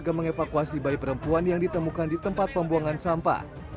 mereka mengevakuasi bayi perempuan yang ditemukan di tempat pembuangan sampah